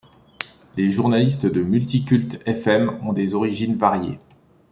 Les journalistes de multicult.fm ont des origines variées.